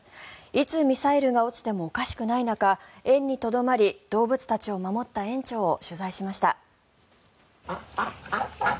いつミサイルが落ちてもおかしくない中園にとどまり動物たちを守った園長を取材しました。